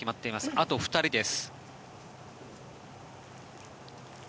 あと２人です。